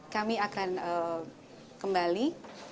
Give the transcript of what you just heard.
kami akan kembali